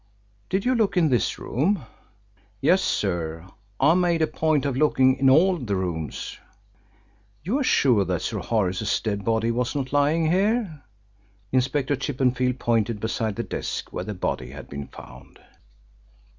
"Did you look in this room?" "Yes, sir. I made a point of looking in all the rooms." "You are sure that Sir Horace's dead body was not lying here?" Inspector Chippenfield pointed beside the desk where the body had been found.